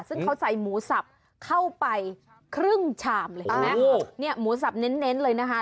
ซึ่งเขาใส่หมูสับเข้าไปครึ่งฉามหมูสับเน้นเลยนะคะ